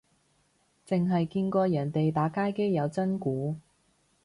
剩係見過人哋打街機有真鼓